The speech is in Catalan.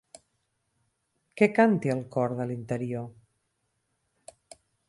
Què canta el cor de l'interior?